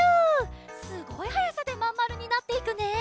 すごいはやさでまんまるになっていくね。